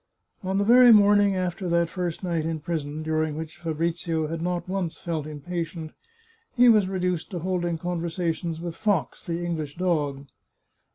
On the very morning after that first night in prison, during which Fabrizio had not once felt impatient, he was reduced to holding conversations with Fox, the English dog.